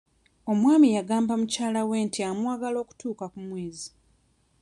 Omwami yagamba mukyala we nti amwagala okutuuka ku mwezi.